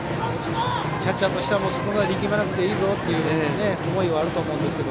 キャッチャーとしてはそこまで力まなくていいぞという思いはあると思いますが。